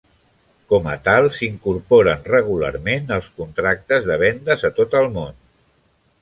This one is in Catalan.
Com a tal, s'incorporen regularment als contractes de vendes a tot el món.